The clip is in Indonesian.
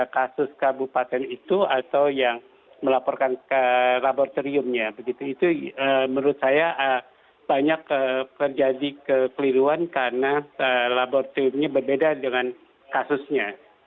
kasus kabupaten itu atau yang melaporkan ke laboratoriumnya begitu itu menurut saya banyak terjadi kekeliruan karena laboratoriumnya berbeda dengan kasusnya